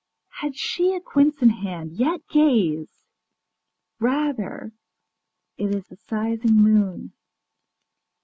Had she a quince in hand? Yet gaze: Rather it is the sizing moon.